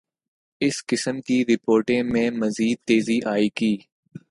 اس قسم کی رپورٹوں میںمزید تیزی آئے گی۔